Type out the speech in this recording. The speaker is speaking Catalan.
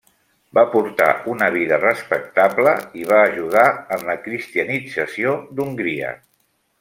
Va portar una vida respectable i va ajudar en la cristianització d'Hongria.